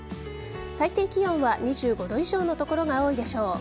最低気温は２５度以上の所が多いでしょう。